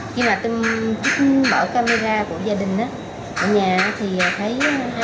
khi mà tôi bỏ camera của gia đình ở nhà thì thấy hai đứa